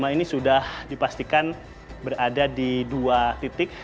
lima ini sudah dipastikan berada di dua titik